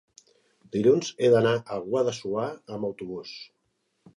Dilluns he d'anar a Guadassuar amb autobús.